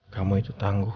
kamu itu tangguh